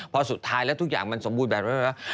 พอสุดท้ายแล้วทุกอย่างมันสมบูรณ์แบบ